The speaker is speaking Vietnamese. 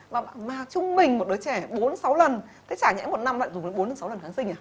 và mà chung mình một đứa trẻ bốn sáu lần thế chả nhẽ một năm lại dùng bốn sáu lần kháng sinh à